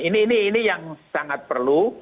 nah ini yang sangat perlu